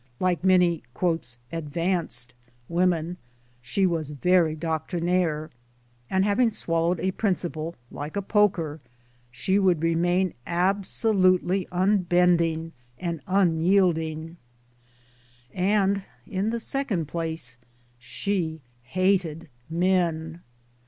Like many " advanced " women she was very doctrinaire ; and having swallowed a principle (like a poker) would remain absolutely unbending and unyielding ; and, in the second place, she hated men.